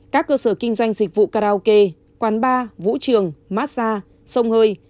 các cơ sở kinh doanh dịch vụ karaoke quán bar vũ trường massage sông hơi